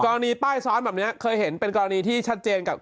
ป้ายซ้อนแบบนี้เคยเห็นเป็นกรณีที่ชัดเจนกับ